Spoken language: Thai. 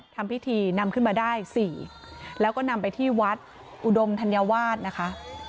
ทำพิธีนำขึ้นมาได้สี่แล้วก็นำไปที่วัดอุดมธัญวาสนะคะ